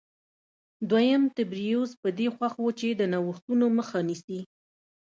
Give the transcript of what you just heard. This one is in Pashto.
دویم تبریوس په دې خوښ و چې د نوښتونو مخه نیسي